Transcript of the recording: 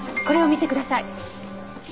これを見てください。